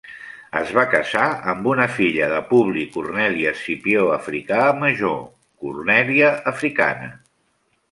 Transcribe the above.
Es va casar amb una filla de Publi Corneli Escipió Africà Major, Cornèlia Africana.